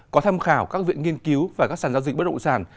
có tham khảo các viện nghiên cứu và các sản giao dịch bất động sản